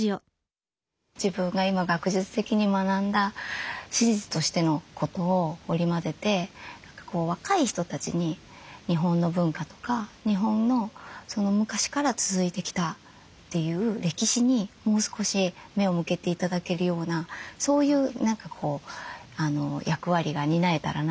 自分が今学術的に学んだ史実としてのことを織り交ぜて若い人たちに日本の文化とか日本の昔から続いてきたという歴史にもう少し目を向けて頂けるようなそういう役割が担えたらなというふうに。